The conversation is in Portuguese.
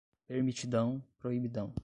permitidão, proibidão